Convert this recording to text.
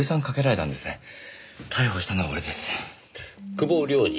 久保亮二